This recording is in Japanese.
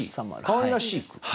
かわいらしい句。